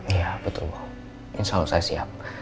iya betul insya allah saya siap